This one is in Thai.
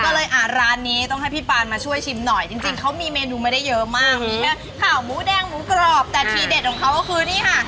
ก็เลยอ่ะร้านนี้ต้องให้พี่ปานมาช่วยชิมหน่อยจริงเขามีเมนูไม่ได้เยอะมากมีแค่ขาวหมูแดงหมูกรอบแต่ทีเด็ดของเขาก็คือนี่ค่ะ